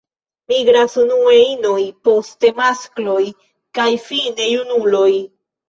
Migras unue inoj, poste maskloj kaj fine junuloj.